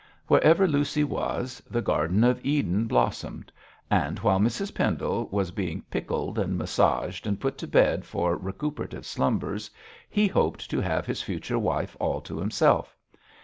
Wherever Lucy was, the Garden of Eden blossomed; and while Mrs Pendle was being pickled and massaged and put to bed for recuperative slumbers, he hoped to have his future wife all to himself.